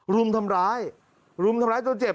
รุมทำร้ายรุมทำร้ายจนเจ็บ